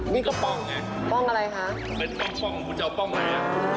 นี่ก็ป้องไงป้องอะไรคะเป็นป้องคุณจะเอาป้องไหมฮะ